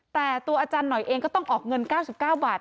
แต่ตัวอาจารย์หน่อยเองก็ต้องออกเงิน๙๙บาท